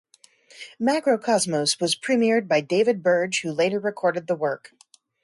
"Makrokosmos" was premiered by David Burge, who later recorded the work.